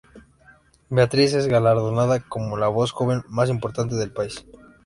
Beatriz es galardonada como la voz joven más importante del país.